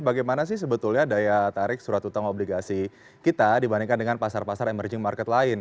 bagaimana sih sebetulnya daya tarik surat utang obligasi kita dibandingkan dengan pasar pasar emerging market lain